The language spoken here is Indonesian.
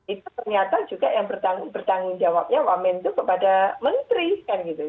itu ternyata juga yang bertanggung jawabnya wamen itu kepada menteri kan gitu